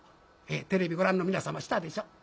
テレビご覧の皆様したでしょ？